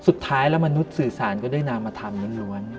สุดท้ายแล้วมนุษย์สื่อสารก็ได้นามธรรมนั้นแล้ว